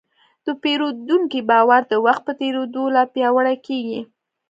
د پیرودونکي باور د وخت په تېرېدو لا پیاوړی کېږي.